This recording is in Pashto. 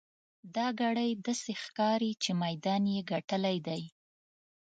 دا ګړی داسې ښکاري چې میدان یې ګټلی دی.